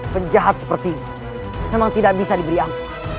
kejahat seperti kamu memang tidak bisa diberi ampuh